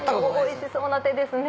おいしそうな手ですね。